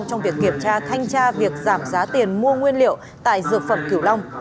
trong việc kiểm tra thanh tra việc giảm giá tiền mua nguyên liệu tại dược phẩm kiểu long